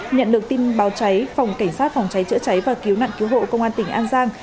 nhận được tin báo cháy phòng cảnh sát phòng cháy chữa cháy và cứu nạn cứu hộ công an tỉnh an giang